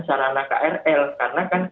sarana krl karena kan